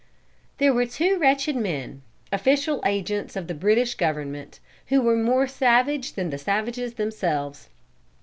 There were two wretched men, official agents of the British Government, who were more savage than the savages themselves.